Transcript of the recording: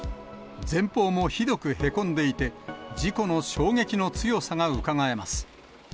前方もひどくへこんでいて、事故の衝撃の強さがうかがえます。